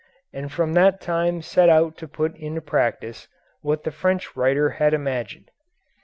and from that time set out to put into practice what the French writer had imagined.